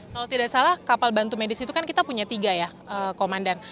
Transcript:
kalau tidak salah kapal bantu medis itu kan kita punya tiga ya komandan